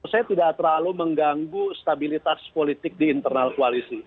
saya tidak terlalu mengganggu stabilitas politik di internal koalisi